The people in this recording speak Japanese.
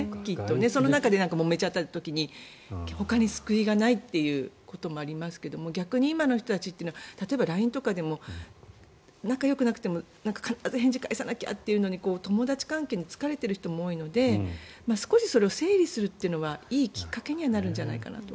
その中で、もめちゃった時にほかに救いがないということもありますけど逆に今の人たちというのは例えば、ＬＩＮＥとかでも仲よくなくても必ず返事返さなきゃというのに友達関係に疲れている人も多いので少し、それを整理するというにはいいきっかけにはなるんじゃないか。